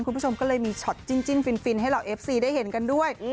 คุณผู้ชมก็เลยมีช็อตจิ้นฟินให้เราเอฟซีได้เห็นกันด้วย